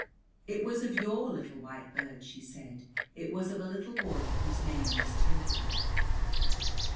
"It was of your little white bird," she said, "it was of a little boy whose name was Timothy."